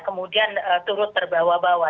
kemudian turut terbawa bawa